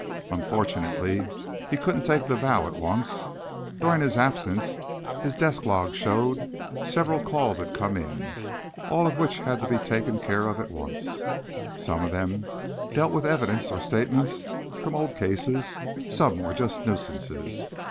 Unfortunately, he couldn't take the vow at once. During his absence, his desk log showed, several calls had come in, all of which had to be taken care of at once. Some of them dealt with evidence or statements from old cases, some were just nuisances.